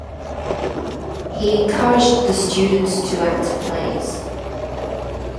He encouraged the students to act plays.